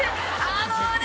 あのね。